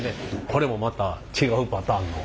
これもまた違うパターンの。